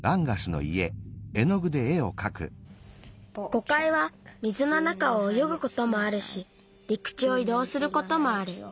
ゴカイは水の中をおよぐこともあるしりくちをいどうすることもある。